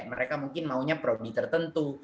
mereka mungkin maunya prodi tertentu